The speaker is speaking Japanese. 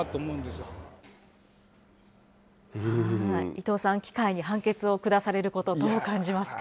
伊藤さん、機械に判決を下されること、どう感じますか。